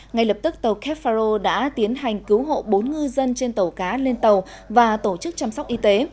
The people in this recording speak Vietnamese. ngay lập tức tàu kefaro đã tiến hành cứu hộ bốn ngư dân trên tàu cá lên tàu và tổ chức chăm sóc y tế